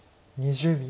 ２０秒。